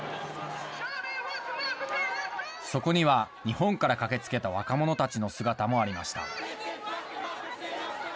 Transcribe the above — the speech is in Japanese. そこには日本から駆けつけた若者たちの姿もありました。